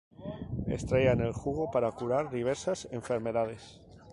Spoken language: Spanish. Extraían el jugo para curar diversas enfermedades.